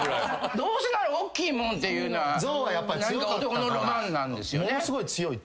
どうせならおっきいもんっていうのは男のロマンなんですよね。